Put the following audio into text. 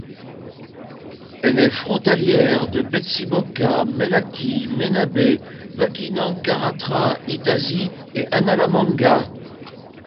Elle est frontalière de Betsiboka, Melaky, Menabe, Vakinankaratra, Itasy et Analamanga.